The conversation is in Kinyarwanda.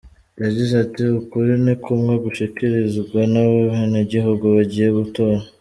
Yagize ati: "Ukuri ni kumwe gushikirizwa n'abenegihugu bagiye gutora.